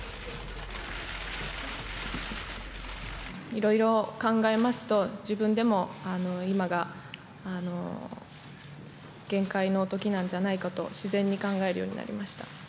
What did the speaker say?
いろいろ考えますと自分でも今が限界の時なんじゃないかと自然に考えるようになりました。